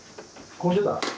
混んでた？